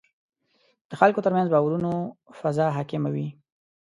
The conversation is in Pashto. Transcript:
د خلکو ترمنځ باورونو فضا حاکمه وي.